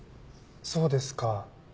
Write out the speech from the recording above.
そうですか。